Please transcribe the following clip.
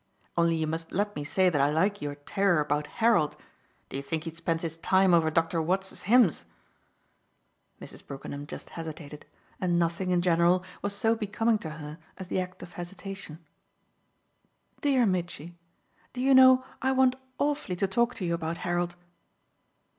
Only you must let me say that I like your terror about Harold! Do you think he spends his time over Dr. Watts's hymns?" Mrs. Brookenham just hesitated, and nothing, in general, was so becoming to her as the act of hesitation. "Dear Mitchy, do you know I want awfully to talk to you about Harold?"